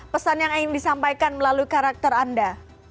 pesan yang ingin disampaikan melalui karakter anda